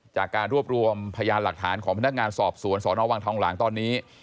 จากการรวบรวมพยานหลักฐานของพนักงานสอบสวนสนวังทองหลางตอนนี้